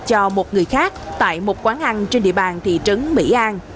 cho một người khác tại một quán ăn trên địa bàn thị trấn mỹ an